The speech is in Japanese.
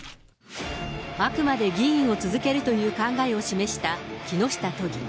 あくまで議員を続けるという考えを示した木下都議。